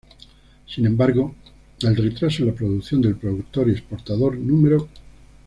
Sin embargo, el retraso en la producción del productor y exportador No.